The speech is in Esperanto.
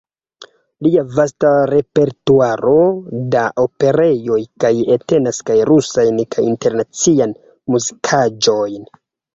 Lia vasta repertuaro da operoj kaj entenas kaj rusajn kaj internaciajn muzikaĵojn.